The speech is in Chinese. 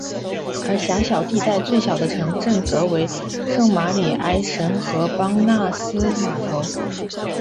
而狭长地带最小的城镇则为圣玛里埃什和邦纳斯码头。